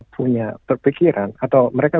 punya perpikiran atau mereka